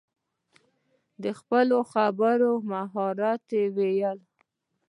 د خپلو خبرو په مهال، وویل: